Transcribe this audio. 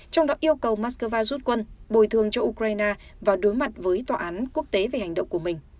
trong đó yêu cầu moscow rút quân bồi thường cho ukraine và đối mặt với tòa án quốc tế về hành động của mình